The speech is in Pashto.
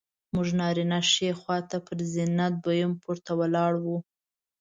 موږ نارینه ښي خوا ته پر زینه دویم پوړ ته ولاړو.